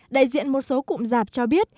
đại diện một số cụm giáp cho biết